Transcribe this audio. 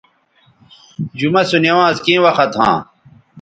جمعہ سو نوانز کیں وخت ھاں